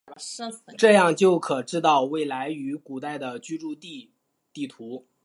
这样就可知道未来与古代的居住地地图。